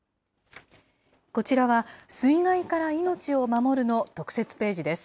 こちらは、水害から命を守るの特設ページです。